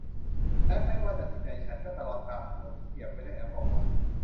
และไม่ว่าจะที่ไหนฉันก็ตะลอนตามถนนที่เปียกไปด้วยแอลกอฮอล์